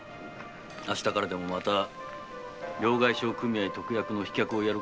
明日からでもまた両替商組合特約の飛脚をやることだと思うよ。